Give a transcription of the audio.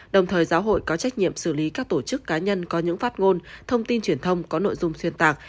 đồng thời giáo hội có trách nhiệm xử lý các tổ chức cá nhân có những phát ngôn thông tin truyền thông có nội dung xuyên tạc